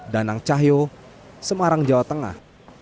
danang cahyo semarang jawa tengah